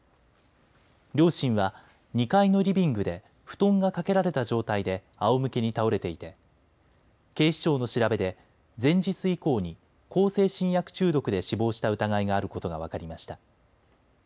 両親は２階のリビングで布団がかけられた状態であおむけに倒れていて警視庁の調べで前日以降に向精神薬中毒で死亡した疑いがあることが分かりました。